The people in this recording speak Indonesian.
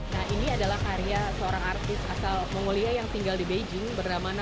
nah ini adalah karya seorang artis asal mongolia yang tinggal di beijing bernama